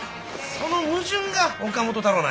その矛盾が岡本太郎なんや。